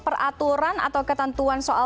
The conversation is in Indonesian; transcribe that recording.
peraturan atau ketentuan soal